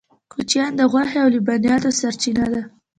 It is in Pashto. کوچیان د غوښې او لبنیاتو سرچینه ده